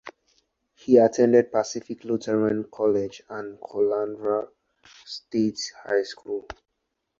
He attended Pacific Lutheran College and Caloundra State High School.